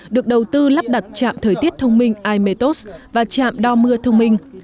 được đầu tư lắp đặt trạm thời tiết thông minh imetos và trạm đo mưa thông minh